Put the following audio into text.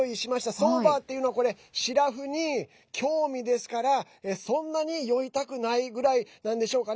Ｓｏｂｅｒっていうのはこれしらふに、興味ですからそんなに酔いたくないぐらいなんでしょうかね。